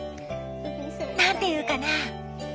何て言うかな。